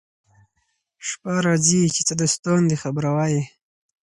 شپه راځي چي څه دوستان دي خبروه يې